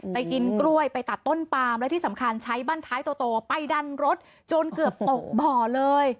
ไปกินกล้วยไปตัดต้นปามและที่สำคัญใช้บ้านท้ายโตไปดันรถจนเกือบตกบ่อเลย